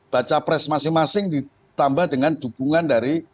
baca pres masing masing ditambah dengan dukungan dari